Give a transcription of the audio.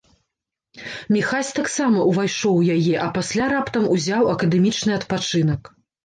Міхась таксама ўвайшоў у яе, а пасля раптам узяў акадэмічны адпачынак.